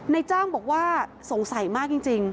ในจ้างบอกว่าสงสัยมากจริง